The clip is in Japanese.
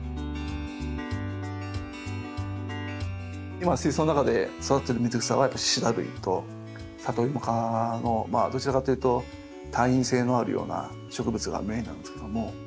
今水槽の中で育ててる水草はシダ類とサトイモ科のどちらかというと耐陰性のあるような植物がメインなんですけども。